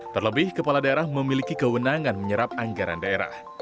terlebih kepala daerah memiliki kewenangan menyerap anggaran daerah